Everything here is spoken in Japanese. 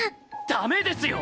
ダメですよ！